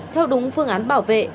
theo đúng phương án bảo vệ